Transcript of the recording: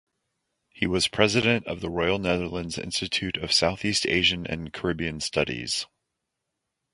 He was president of the Royal Netherlands Institute of Southeast Asian and Caribbean Studies.